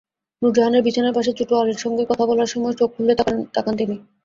নূরজাহানের বিছানার পাশে চুটু আলীর সঙ্গে কথা বলার সময় চোখ খুলে তাকান তিনি।